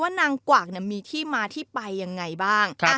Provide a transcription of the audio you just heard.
นางกวากมีที่มาที่ไปยังไงบ้าง